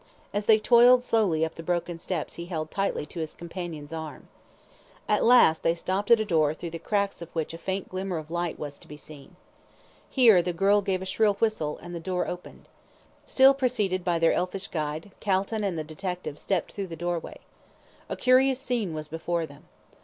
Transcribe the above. As they toiled slowly up the broken steps he held tightly to his companion's arm. At last they stopped at a door through the cracks of which a faint glimmer of light was to be seen. Here the girl gave a shrill whistle, and the door opened. Still preceded by their elfish guide, Calton and the detective stepped through the doorway. A curious scene was before them.